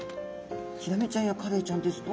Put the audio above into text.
ヒラメちゃんやカレイちゃんですと。